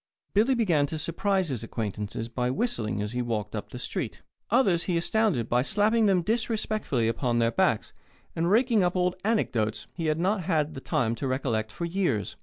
Billy began to surprise his acquaintances by whistling as he walked up the street; others he astounded by slapping them disrespectfully upon their backs and raking up old anecdotes he had not had the time to recollect for years.